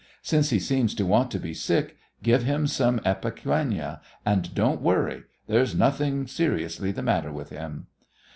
'Since he seems to want to be sick, give him some ipecacuanha, and don't worry. There's nothing seriously the matter with him.'